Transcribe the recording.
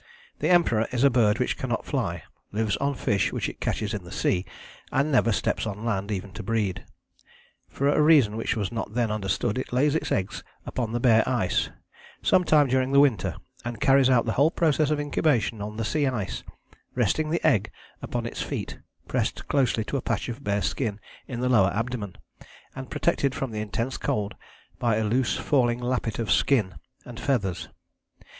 The Emperor is a bird which cannot fly, lives on fish which it catches in the sea, and never steps on land even to breed. For a reason which was not then understood it lays its eggs upon the bare ice some time during the winter and carries out the whole process of incubation on the sea ice, resting the egg upon its feet pressed closely to a patch of bare skin in the lower abdomen, and protected from the intense cold by a loose falling lappet of skin and feathers.